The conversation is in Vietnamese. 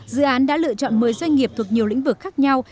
dự án đã lựa chọn một mươi doanh nghiệp thuộc nhiều lĩnh vực khác nhau